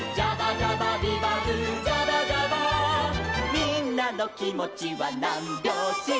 「みんなのきもちはなんびょうし」